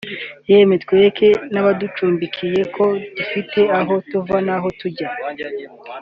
yemwe twereke n’abaducumbikiye ko dufite aho tuva n’aho tujya